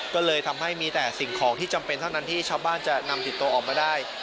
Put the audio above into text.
ก็เลยทำให้มีแต่สิ่งของที่จำเป็นเท่านั้นที่ชาวบ้านจะนำติดตัวออกมาได้